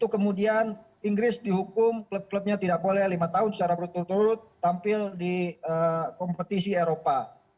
kemudian inggris dihukum klub klubnya tidak boleh lima tahun secara berturut turut tampil di kompetisi eropa